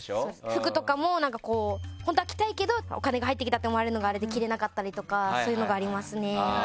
服とかも何か、こう本当は着たいけどお金が入ってきたと思われるのがあれで着れなかったりとかそういうのがありますね。